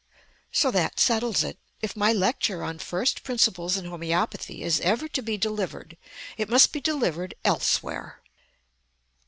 So that settles it. If my lecture on "First Principles in Homoeopathy" is ever to be delivered, it must be delivered elsewhere.